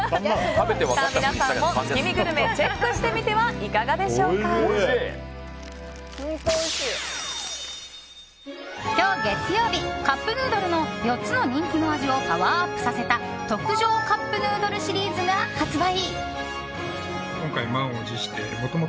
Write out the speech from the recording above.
皆さんも月見グルメチェックしてみては今日、月曜日カップヌードルの４つの人気の味をパワーアップさせた特上カップヌードルシリーズが発売。